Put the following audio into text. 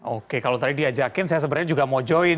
oke kalau tadi diajakin saya sebenarnya juga mau join